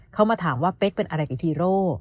เขามาถามว่าเป๊กเป็นอะไรกับฮีโร่